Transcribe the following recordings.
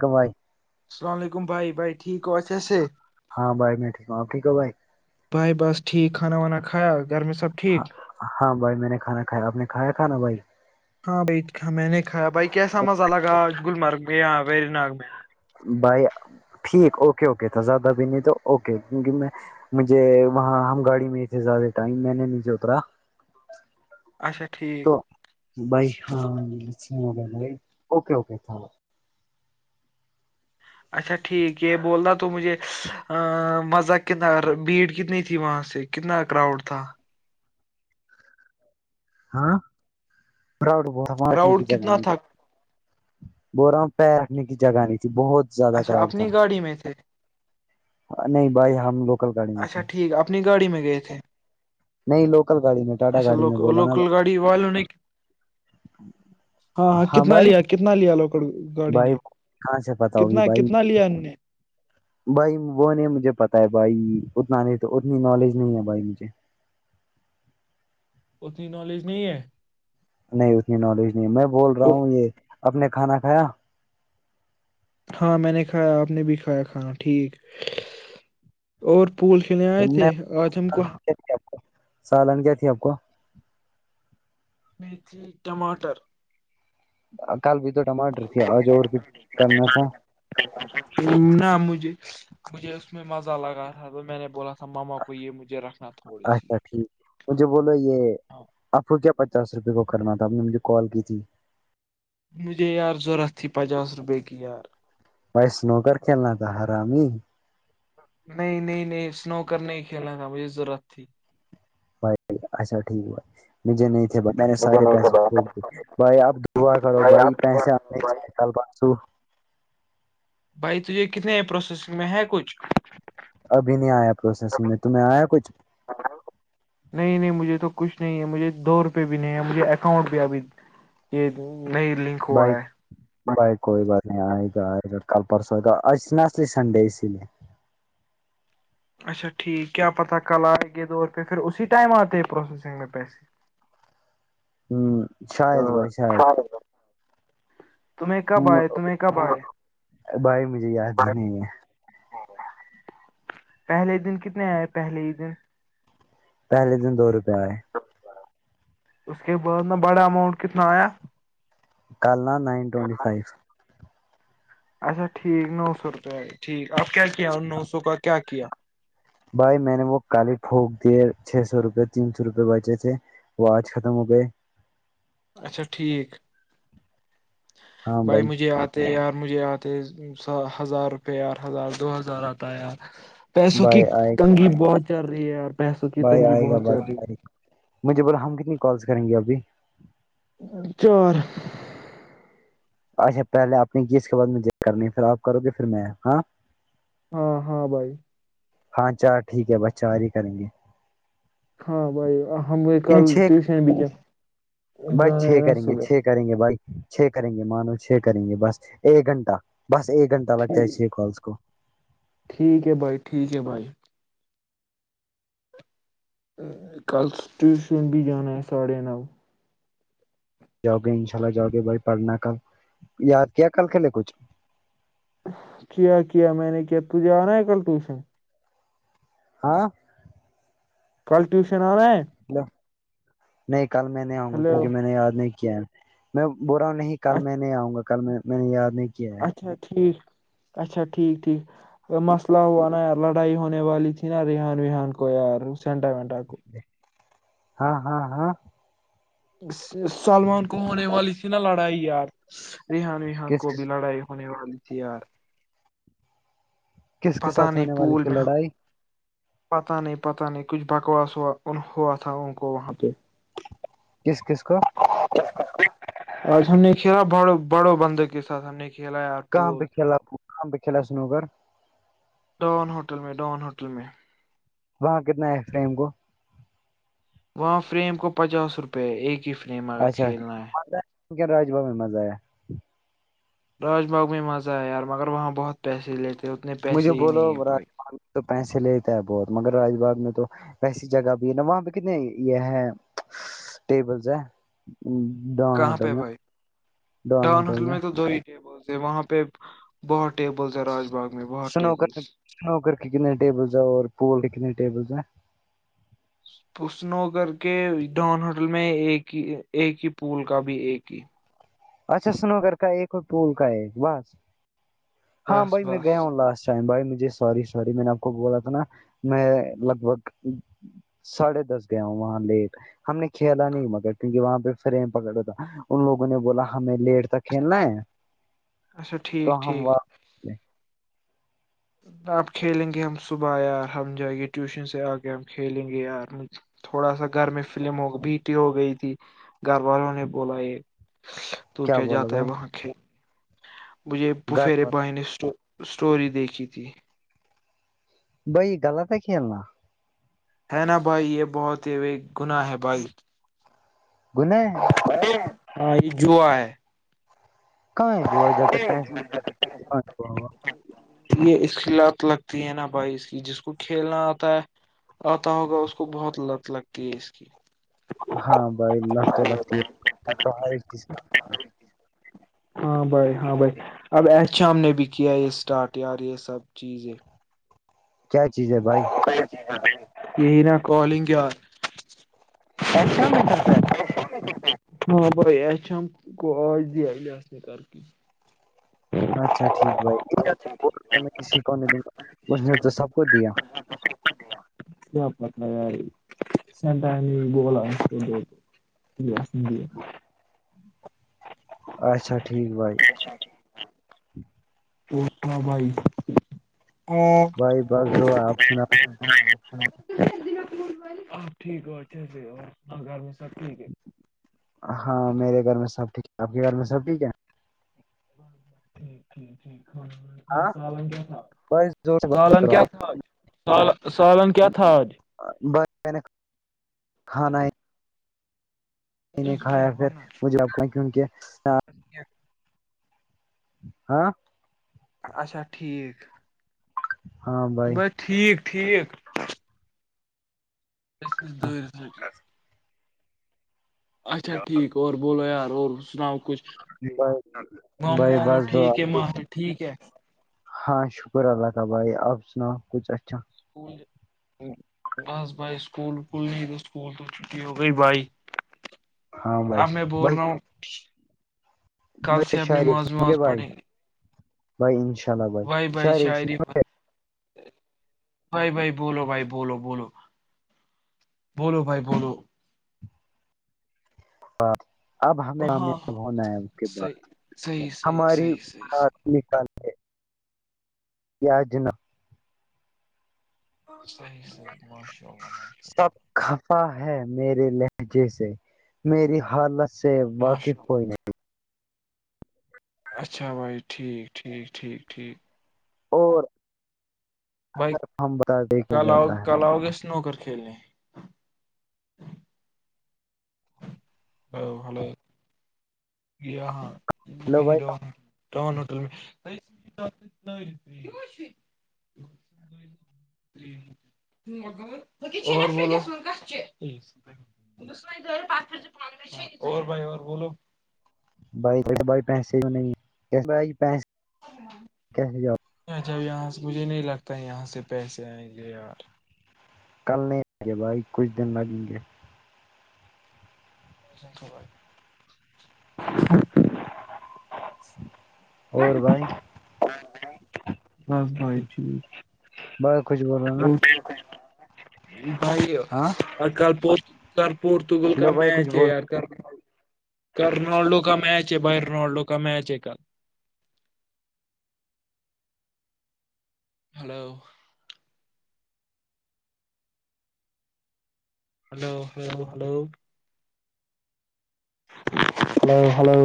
کو بھائی اللام علیکم بھائی بائی ٹھیک کو اھاسے ہاں بھائی میں ٹھیک ہوں آپ ٹھیک ہو بھائی بھائی بس ٹھیک کھانا وانا کھایا گھر میں سب ہاں ٹھیک ہاں بھائی میں نے کھانا کایا آپ نے کھایا کھانا بھائی ہاں بھائی میں نے کھایا بھائی کیسا مزہ لگا گلمرگ میں یا ویری نگ میں بھائی ٹھیک اوکے اوکے تو زیادہ بھی نہیں تو اوکے کیونک میں مجھے وہاں ہم گاڑی میں ہی تھے زیادہ ٹائم میں نے نہیں جو اترا اچھا ٹھیک بائی ہاں ب اکے اوکے چلو اچھا ٹھیک یہ بول رہ تو مجھے مذق کنار بھیڑ کتنی تھی وہاں سے کتنا کراؤڈ تھا ہاں پرؤڈ بتارٹنے کی کراؤڈ جگہ کتنا نہیں تھا بو رہا ہ پیر رکھنے کی جگہ نہیں تھی بہت زیادہ اچھا بھیڑ تھا اپنی گاڑی میں تھے نہیں بھائی ہم لوکل گاڑی میں اچھا تھے ٹھیک اپنی گاڑی میں گئے تھے نہیں لوکل گاڑی میں ٹاٹا اچھا گاڑی میں لوکل بولا نا لوکل گاڑی والوں نے ہاں ہاں کتنا لیا کتنا لیا لوکڑ گاڑی بھائی نے کہاں سے پتا ہوگی کتنا بھائی کتنا لیا ان نے بھائی وہ نہیں مجھے پتا ہے بھائی اتنا نہیں اتنی نالج نہیں ہے بھائی مجھے اتنی نالج نہیں ہے نہیں اتنی نالج نہیں میں بول رہا ہوں یہ اپ نے کھانا کھایا ہاں میں نے کھایا آپ نے بھی کھایا کھانا ٹھیک اور پول کھلنے آئے میں تھے آج ہم کو کیا تھی آپ سالن کیا تھی آپ کو ٹماٹر کل بھی تو ٹماٹر تھی آج اور بھی کرنا تھا [inaudible] نا مجھے مجھے اس میں مزہ لگا تھا تو میں نے بولا تھا ماما کو یہ مجھے رکھنا تھوڑی سی اچھا ٹھیک مجھے بولو یہ آپ کو کیا پچاس روپے کو کرنا تھا آپ نے مجھے کال کی تھی مجھے یار ضرورت تھی پچاس روپے کی یار بھائی اسنو کر کھیلنا تھا ہرام ہی نہیں نہیں نہیں سنوکر نہیں کھیلنا تھا مجھے ضرورت تھی بھ اچھا ٹھیک بھائی مجھے نہیں تھے بائی میں نے مجھے سارے نہیں پیسے خبر پھونک دیے بھائی اپ دعا کرو بھائی پیسے نہیں چ کل پرسو [unintelligible] بھائی تجھے کتنے ہے پروسیسنگ میں ہے کچھ ابھی نہیں آیا پروسیسنگ میں تمہیں آیا کچھ ہاں [unintelligible] نہیں نہیں مجھے تو کچھ نہیں ہے مجھے دو ر پہ بھی نہیں ہے مجھے اکاؤنٹ پہ ابھی یہ نئ لی [unintelligible] بائک بھائی کوئی بات نہیں آئے گا آئے گا کل پرسوں آئے گا آ ج تھی نہ اسلی سنڈے اسی لیے اچھا ٹھیک کیا پتاہ کل آئے کے دور پہ پھر اسی ٹائم آتے پروسیسنگ میں پیسے ہ شاہید بھائی شاہید تمہیں کب آئے تمہیں کب آئے بھائی مجھے یاد ہی نہیں ہے پہلے دن کتنے آئے پہلے ہی دن پہلے دن دو روپئے آئے اس کے بعد نا بڑا اماؤنٹ کتنا آیا کل نا نائن ٹوونٹی فائیو اچھا ٹھیک نو سو روپے ٹھیک اب کیا کیا نو سو کا کیا کیا بھائی میں نے وہ کالی پھونک دیے چھ سو روپے تین سو روپے بچے تھے وہ آج ختم ہو گئے اچھا ٹھیک بھائی مجھے یاد تے یار مجھے آتے ہزار روپے یار ہزار دو ہزار آتا یار پیسوں کی بھائی آئے گا، تنگی بہت چل رہی ہے یار پیسوں کی بھائی تنگی آئے گا بہت بھائی چل رہی ہے آئے گا۔ مجھے بولا ہم کتنی کالس کریں گے ابھی چار اچھا پہلے آپ نے کی اس کے بعد مجھے کرنی پھر آپ کرو گے پھر میں ہاں ہاں ہاں بھائی ہاں چار ٹھیک ہے بس چار ہی کریں گے ہاں بھائی ہم نے کل ان چھ ٹیوشن بھی کیا بھائی جانا چھ ہے نا کریں گے صبح چھ کریں گے بھائی چھے کریں گے مانو چھے کریں گے بس ایک گھنٹہ بس ایک گھنٹہ لگتا ٹھیک ہےے کالس کو ٹھیک ہے بھائی ٹھیک ہے بھائی کل ٹیوشن بھی جان ہے ساڑھے نو جاؤگے ان شاء اللہ جاؤگے بھائی پڑھنا کل یاد کیا کل کھیلے کچھ کیا کیا میں نے کیا تجھے آناا ہے کل ٹیوشن ہاں کل ٹیوشن آناا ہے لو نہیں کل میں نہیں آؤں گا ہلو کیونکہ میں نے یاد نہیں کیا ہے میں بول رہا ہوں نہیں کل میں نہیں آؤں گا کل میں میں نے یاد نہیں کیا ہے اچھا ٹھیک اچھا ٹھیک ٹھیک مسئلہ ہوا نا یار لڑائی ہونے والی تھی نا ریحان ویحان کو یار سینٹا وینٹا کو ہاں ہاں ہاں سلمان کو ہونے والی تھی نا لڑائی یار ریحان ویحان کس کو بھی لڑائی ہونے والی تھی یار کس کے پتا ساتھ نہیں ہونے والی پول تھی میں لڑائی پتا نہیں پت نہیں کچھ بکواس ہوا ہوا تھا ان کو وہاں پہ کس کس کو آج ہم نے کھیلاا بڑ بڑوں بند کے ساتھ ہم نے کھیلا یار کہاں پ پول کھیلا آ کہاں پ کھیلا سنو گھر ڈون ہوٹل میں ڈون ہوٹل میں وہاں کتنا ہے اس ائم کو وہاں فریم کو پچاس روپئے ہے ایک ہی ف اچھاک راج بھا میں مز آیا راج باغ میں مزہ ہے یار مگر وہاں بہت پیسے لیتے اتنے مجھے پیسے ہی بولو نہیں ہے بھائی راج تو پیسے لیتا ہے بہت مگر راج باغ میں تو ویسی جگہ بھی ہے نا وہاں پہ کتنے یہ ہے ٹیبلس ہے ڈان کہاں ہوٹل پہ میں بھائی ڈان ہوٹل میں ٹیبلس ہے وہاں پہ بہت ٹیبلس ہے راج باغ میں بہت سنوکر ٹیبلس سنوکر کے کتنے ٹیبلس ہیں اور پول کے کتنے ٹیبلس ہیں اسنو کر کے ڈان ہوٹل میں ایک ہی ایک ہی پول کا بھی ایک ہی اچھا سنوگر کا ایک اور پٹول کا ایک بس ہاں بس بائی میں بس گیا ہوں لاسٹ ش بھائی مجھے س سوری میں نے آپ کو بولا تھا نا میں لگ بھگ ساڑھے دس گیا ہوں وہاں لیٹ ہم نے کھیلا نہیں متر کیوںک وہاں پہ سرم پکڑا تھا ان لوگوں نے بولا ہمیں لیٹ تک کھیلنا ہے اچھا تو ٹھیک ہم ٹھیک واپس گئے۔ آپ کھیلیں گے ہم صبح یار ہم جائ گے ٹیوشن سے آ کے ہم کھیلیں گے یارج تھوڑا سا گھر میں فلم ہو بیٹی ہو گئی تھی گھر والوں نے بولا یہ تو کیا بولو جاتا ہے بھائی وہاں کھیل مجھے گھر پفیرے پر بھائی نے اسٹوری دیکھی تھی بائی غلط ہے کی کھیلنا ہے نا بھائی یہ بہت ہی گنااہ ہے بھائی گنے ہاں یہ جوا ہے کہاہے جو جب تک پیس یہ اسکی لات لگتی ہے نا بھائی اس کی جس کو کھیلنا آتا ہے آتا ہوگا اس کو بہت لت لگتی ہے اس کی ہاں بھائی لگ تو لگتی ہے ہر ایک چیز لگتی ہے۔ ہاں بھائی ہاں بھائی اب احت شام نے بھی کیا یہ اسٹارٹ یار یہ سب چیز ہے کیا چیز ہے بھائی یہی نا کالنگ کیا ایشا میں بھی خرچ ہے ہاں بھائی اش ہم کو آج دیا اس نے کر کے اچھا ٹھیک بھائی کسی کو اس نے تو سب کو دیا ج یاری سینٹانی بولا ب جی جی اچھا ٹھیک بھائی پوٹا بھائی اور بھائی بس دو آپ سنا آ ٹھیک اور سب ٹھیک ہے ہاں میرے گھر میں سب ٹھیک ہے آپ کے گھر میں سب ٹھیک ہے ٹھیک ٹھیک ٹھیک سن کیا تھا ب جو سال ک تھج س سالن ک تھاج ب نے کھانا نے کھایا پھر مجھے آب کیک ہاں اچھا ٹھیک ہاں بھائی ٹھیک ٹھیک اس دور رٹین اچھا ٹھیک اور بولو یار اور سناؤ کچھ بس ماموں بائی واموں بس دو ٹھیک آ ہے ماہر ٹھیک ہے ہاں شکر اللہ کا بھائی آپ سناؤ کچھ اچھا اسکول بس بائی سکول کھولنی تو سکول تو چھٹی ہو گئی بائی ہاں بھائی بائی ب کل سے اب شف نماز سمھے وماز بھائی پڑھیں گے بھائی انشاء اللہ بھائی ش ر بھائی بھائی بولو بھائی بولو بولو بولو بھائی بولو ہاں اب ہمیں ہاں کامیاب ہونا ہے اس کے صحیح بعد صحیح صحیح ہماری صحیح صحیح ہات صحیح نکال یاج ن صحیحیح ماشاء اللہ ماشاء اللہ سب کفا ہے میرے لہجے سے میری حالت سے اللہ باقی ماشاء اللہ پئی نہیں اچھا بھائی ٹھیک ٹھیک ٹھیک ٹھیک اور اگر ہم بتا دیک کے جاتا ہے لوگیس نو کرر کھیلنے ا ہملے ہاں ہیلو بھائی وہیرو ہیں تان ہوٹل میں [inaudible] اور بھائی اور بولو بائیے بائی پیسے کو نہیں بائی پس اھا ا یہاں سے مجھے نہیں لگتا یہاں سے پیسے آئیں گے یار کل نہیں آئیں گے بھائی کچھ دن لگیں گے [unintelligible] [inaudible] اور بانی بس بھائی ٹھیک بہت کچھ بول رہا ہیں نا جی بھائی ہاں [unintelligible] پورتگل کا لو بھائی کچھ میچ بولو کر کل روناالڈو کا میچ ہے بھائی رنالڈو کا میچ ہے کل hello hello hello hello hello hello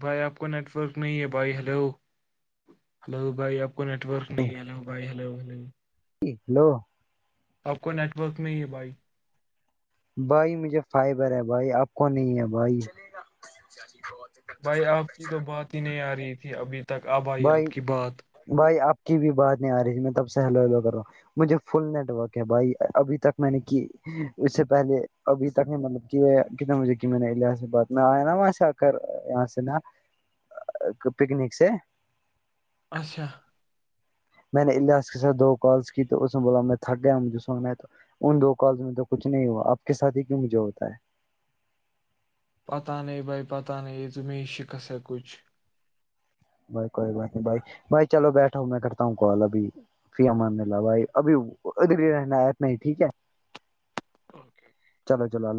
بھائی آپ کو نیٹ ورک نہیں ہے بھائی ہلو ہلو بھائی آپ کو نیٹ ورک اپ ہیلو بھائی ہلو ہلو ہیلو آپ کو نیٹ ورک نہیں ہے بھائی بھائی مجھے فائبر ہے بھائی آپ کو نہیں ہے بھائی [unintelligible] بھائی آپ کی تو بات ہی نہیں آ رہی تھی ابھی تک ابھائی آپ بھائی کی بات بھائی آپ کی بھی بات نہیں آ رہی تھی میں تب سے ہلو ہلو کرا مجھے فل نیٹورک ہے بھائی ابھی تک میں نے کی اس سے پہلے ابھی تک نہیں مطلب کہ کتنا مجھے کہ میں نے الیاس سے بات میں آیا نا وہاں سے آ کر یہاں سے نا [unintelligible] اچھا میں نے اللاس کے ساتھ دو کالزکی تو اس نے بولا میں تھک گیا مجھے سونا ہیں تو ان دو کال میں تو کچھ نہیں ہوا آپ کے ساتھی ہی کیوں مجھے ہوتا ہے پتہ نہیں بھائی پت نہیں اتنی شکسا ہے کچھ بھائی کوئی بات نہیں بھائی بھائی چلو بیٹھا ہوں میں کرتا ہوں کال ابھی فی اماندلہ بھائی ابھی ا رہنے آ اتنا ٹھیک ہے [inaudible] چلو چلو اللہ